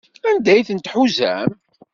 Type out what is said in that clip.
Anda ay ten-tḥuzam?